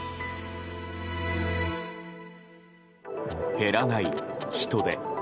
減らない人出。